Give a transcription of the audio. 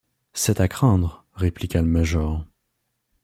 C’est à craindre, répliqua le major.